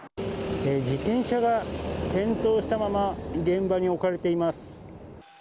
自転車が転倒したまま現場に置かれています。